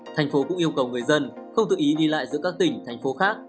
tp hcm cũng yêu cầu người dân không tự ý đi lại giữa các tỉnh thành phố khác